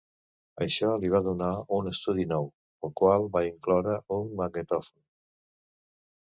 Això li va donar un estudi nou, el qual va incloure un magnetòfon.